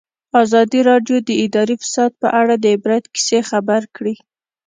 ازادي راډیو د اداري فساد په اړه د عبرت کیسې خبر کړي.